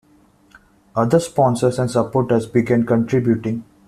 Other sponsors and supporters began contributing.